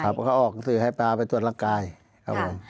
เพราะเขาออกหนังสือให้ปลาไปตรวจร่างกายครับผม